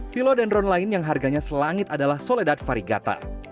pilo dendron lain yang harganya selangit adalah soledad variegata